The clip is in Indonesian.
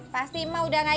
pasti ma udah gak inget